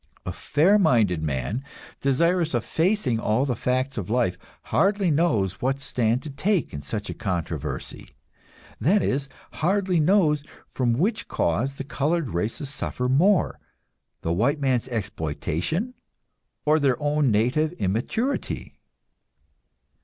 A fair minded man, desirous of facing all the facts of life, hardly knows what stand to take in such a controversy; that is, hardly knows from which cause the colored races suffer more the white man's exploitation, or their own native immaturity.